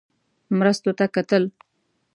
مرستو ته کتل.